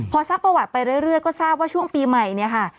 พอซักประวัติไปเรื่อยก็ทราบว่าช่วงปีใหม่เนี่ยค่ะ